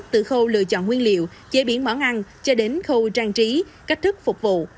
từ khâu lựa chọn nguyên liệu chế biến món ăn cho đến khâu trang trí cách thức phục vụ